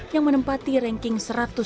yang menempati ranking satu ratus tiga belas